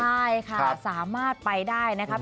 ใช่ค่ะสามารถไปได้นะครับ